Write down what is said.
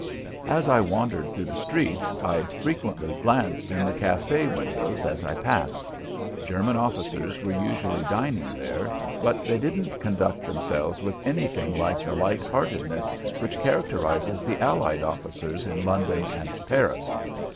As I wandered through the streets I frequently glanced in the café windows as I passed. German officers were usually dining there, but they didn't conduct themselves with anything like the light heartedness which characterizes the Allied officers in London and Paris.